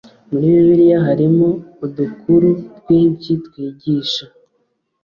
Muri bibiliya harimo udukuru twinshi twigisha